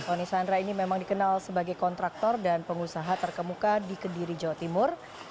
soni sandra ini memang dikenal sebagai kontraktor dan pengusaha terkemuka di kediri jawa timur